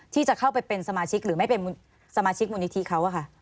ที่จะเข้าไปเป็นสมาชิกหรือไม่เป็นสมาชิกมูลนิธิเขา